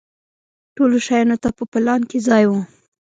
ټولو شیانو ته په پلان کې ځای و.